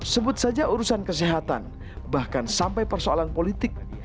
sebut saja urusan kesehatan bahkan sampai persoalan politik